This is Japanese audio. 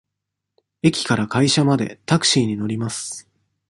駅から会社までタクシーに乗ります。